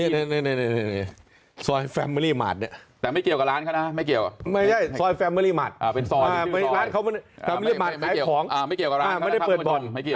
เดินมาเลยแล้วยังไงต่อ